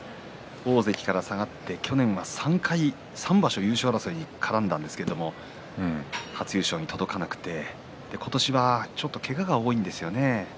大関から下がって去年は３場所、優勝争いに絡んだんですけれども初優勝に届かなくて今年はちょっとけがが多いんですよね。